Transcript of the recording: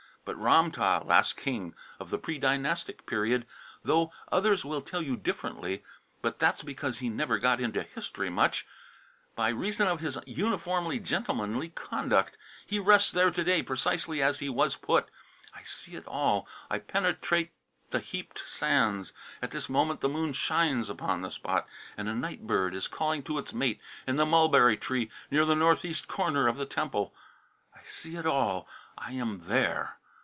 But Ram tah, last king of the pre dynastic period, though others will tell you differently, but that's because he never got into history much, by reason of his uniformly gentlemanly conduct. He rests there to day precisely as he was put. I see it all; I penetrate the heaped sands. At this moment the moon shines upon the spot, and a night bird is calling to its mate in the mulberry tree near the northeast corner of the temple. I see it all. I am there!